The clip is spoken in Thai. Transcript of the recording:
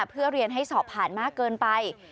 เพื่อเรียนให้สอบผ่านมากเกินไป